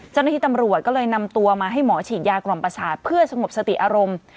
เจ้าหน้าที่ตำรวจก็เลยนำตัวมาให้หมอฉีดยากล่อมประสาทเพื่อสงบสติอารมณ์